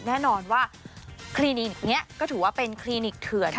แน่นอนว่าคลินิกนี้ก็ถือว่าเป็นคลินิกเถื่อน